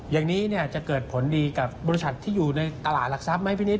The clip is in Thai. อย่างนี้จะเกิดผลดีกับบริษัทที่อยู่ในตลาดหลักทรัพย์ไหมพี่นิด